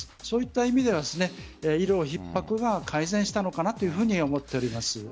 そういった意味では医療ひっ迫が改善したのかなというふうに思っています。